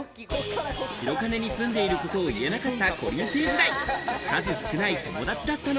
白金に住んでいることを言えなかった、こりん星時代、数少ない友